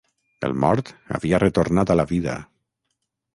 El mort havia retornat a la vida.